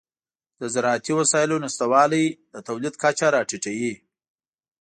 د زراعتي وسایلو نشتوالی د تولید کچه راټیټوي.